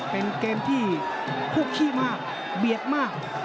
เป็นเกมที่คู่ขี้มากเบียดมาก